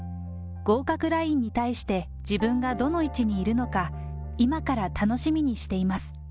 合格ラインに対して、自分がどの位置にいるのか、今から楽しみにしています。